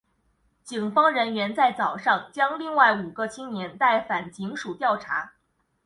警方人员在早上将另外五个青年带返警署调查。